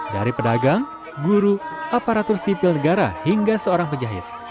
dari pedagang guru aparatur sipil negara hingga seorang penjahit